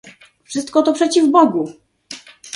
"Wszystko to przeciw Bogu!"